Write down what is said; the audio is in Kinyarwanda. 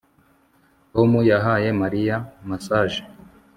Tom yahaye Mariya massage